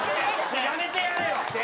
やめてやれよ！